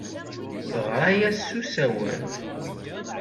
Teɣra-as s usawal.